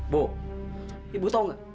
bu ibu tahu enggak